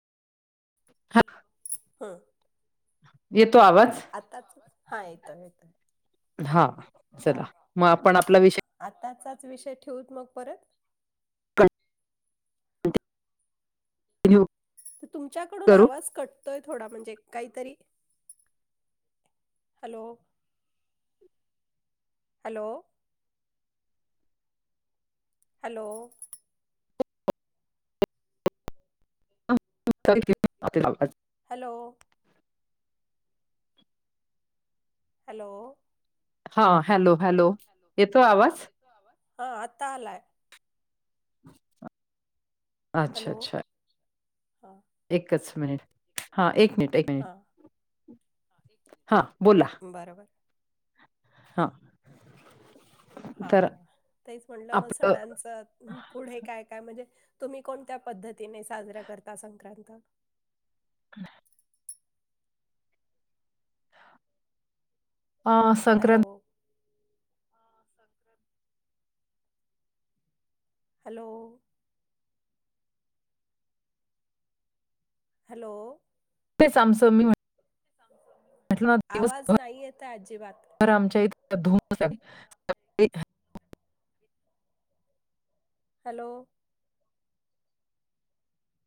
येतो हम्म ब आवाज आताच हा येतोय येतोय. हा चला चालेल मग आपण हा हा आपला विषय आवाज आताचाच विषय ठेवूत मग परत? [unintelligible] तर तुमच्याकडून करू आवाज कटतोय थोडा म्हणजे काहीतरी hello. Hello. Hello. [unintelligible] Hello. Hello. हा हॅलो हॅलो येतो आवाज? हां आत्ता आलाय. अच्छा हॅलो अच्छा हां. एकच मिनिट हा एक मिनिट एक मिनिट हा हा एक मिनिट हा एक बोला. बरोबर. हां. हा, तेच म्हटलं मग आपलं सणांचं पुढे काय काय म्हणजे, तुम्ही कोणत्या पद्धतीने साजरा करता संक्रांत? [unintelligible] आ संक्रांत हॅलो हॅलो. हॅलो. ते सामसूमिंग वाट आवाज नाही येत आहे अजिबात. तर आमच्या इथ [unintelligible] हॅलो.